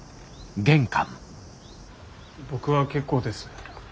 僕は結構です。